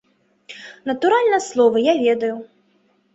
Натуральна, словы я ведаю.